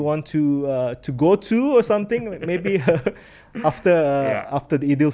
apakah ada tempat yang ingin anda ke